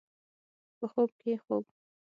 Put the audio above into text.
په خوب کې خوب